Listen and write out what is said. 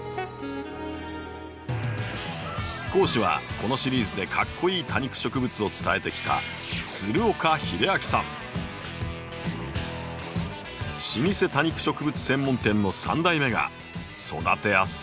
講師はこのシリーズでかっこイイ多肉植物を伝えてきた老舗多肉植物専門店の３代目が育てやすさ抜群の多肉を披露します。